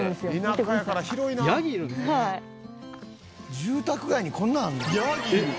住宅街にこんなのあるの？